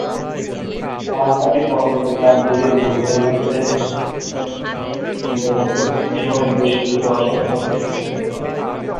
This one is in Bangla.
রাস্তাটি পর্বতের চারিদিকে ঘুরতে ঘুরতে চলতে থাকে, এসময় বেশ কিছু অসাধারণ দৃশ্য চোখে পড়ে।